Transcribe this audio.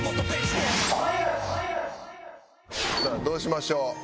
どうしましょう。